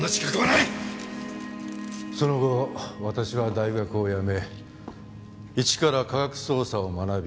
その後私は大学を辞め一から科学捜査を学び